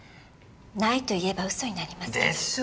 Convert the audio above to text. ないと言えば嘘になりますけど。